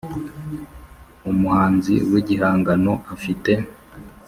Umuhanzi w igihangano afite